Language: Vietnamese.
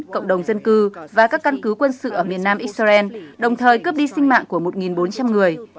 cộng đồng dân cư và các căn cứ quân sự ở miền nam israel đồng thời cướp đi sinh mạng của một bốn trăm linh người